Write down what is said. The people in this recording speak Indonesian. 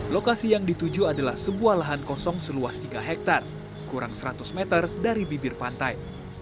lokasi yang dituju adalah sebuah lahan kosong seluas tiga hektare kurang seratus meter dari bibir pantai